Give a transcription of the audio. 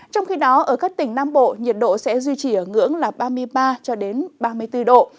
trong khi đó ở các tỉnh nam bộ nhiệt độ sẽ duy trì ở ngưỡng là ba mươi ba ba mươi bốn độ